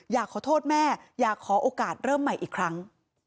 อยากขอโทษแม่อยากขอโอกาสเริ่มใหม่อีกครั้ง